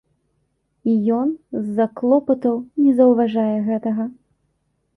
І ён, з-за клопатаў, не заўважае гэтага.